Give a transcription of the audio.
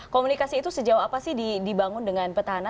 komunikasi itu sejauh apa sih dibangun dengan petahana